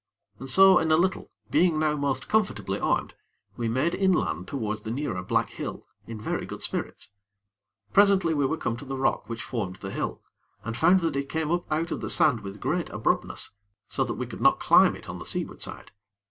And so, in a little, being now most comfortably armed, we made inland towards the nearer black hill, in very good spirits. Presently, we were come to the rock which formed the hill, and found that it came up out of the sand with great abruptness, so that we could not climb it on the seaward side.